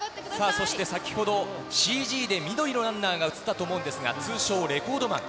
そして先ほど、ＣＧで緑のランナーが映ったと思うんですけれども、通称、レコードマン。